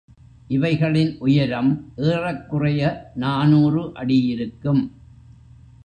இவைகளின் உயரம் ஏறக்குறைய நாநூறு அடி இருக்கும்.